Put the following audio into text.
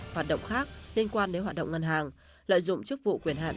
hoạt động khác liên quan đến hoạt động ngân hàng lợi dụng chức vụ quyền hạn